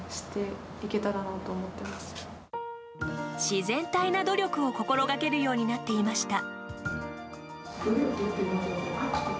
自然体な努力を心掛けるようになっていました。